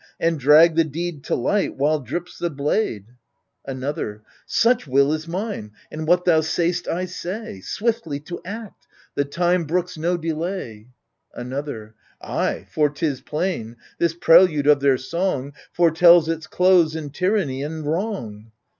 And drag the deed to light, while drips the blade. AGAMEMNON 63 Another Such will is mine, and what thou sa/st I say : Swiftly to act I the time brooks no delay. Another Ay, for 'tis plain, this prelude of their song Foretells its close in tyranny and wrong.